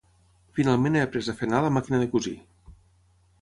Finalment he après a fer anar la màquina de cosir